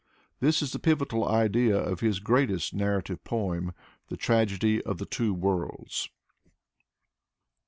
This is the pivotal idea of his greatest narra tive poem, the tragedy of " The Two Worlds."